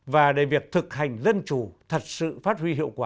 và để việc thực hành dân chủ thật sự phát huy hiệu quả